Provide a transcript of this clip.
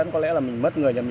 năm thứ một mươi tám